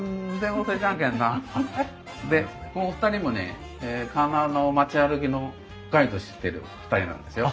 でこのお二人もね鉄輪の町歩きのガイドをしてる２人なんですよ。